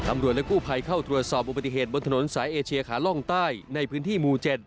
และกู้ภัยเข้าตรวจสอบอุบัติเหตุบนถนนสายเอเชียขาล่องใต้ในพื้นที่หมู่๗